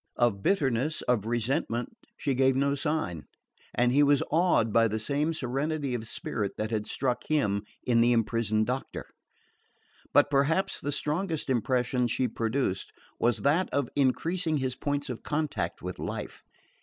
Of bitterness, of resentment she gave no sign; and he was awed by the same serenity of spirit which had struck him in the imprisoned doctor. But perhaps the strongest impression she produced was that of increasing his points of contact with life.